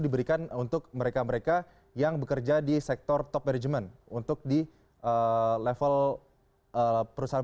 diberikan untuk mereka mereka yang bekerja di sektor top management untuk di level perusahaan